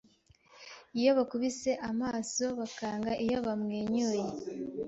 iyo bakubise amaso bakanga iyo bamwenyuye